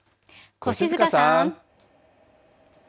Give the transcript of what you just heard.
越塚さん。